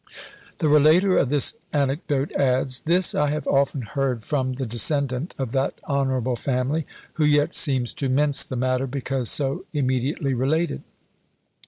The relater of this anecdote adds, "This I have often heard from the descendant of that honourable family, who yet seems to mince the matter, because so immediately related."